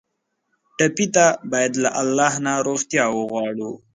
ټپي ته باید له الله نه روغتیا وغواړو.